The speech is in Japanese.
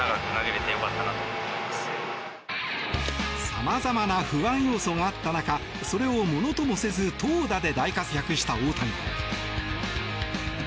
様々な不安要素があった中それをものともせず投打で大活躍した大谷。